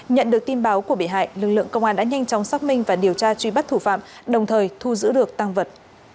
nhận được tin báo của bị hại lực lượng công an đã nhanh chóng xác minh và điều tra truy bắt thủ phạm đồng thời thu giữ được tăng vật